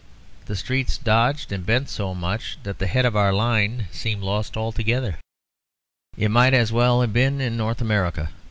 The streets dodged and bent so much that the head of our line seemed lost altogether: it might as well have been in North America.